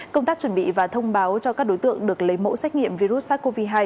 công tác chuẩn bị và thông báo cho các đối tượng được lấy mẫu xét nghiệm virus sars cov hai